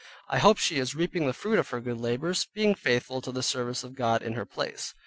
I hope she is reaping the fruit of her good labors, being faithful to the service of God in her place.